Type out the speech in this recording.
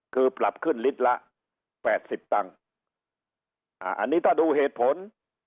คือปรับขึ้นลิตรละแปดสิบตังค์อ่าอันนี้ถ้าดูเหตุผล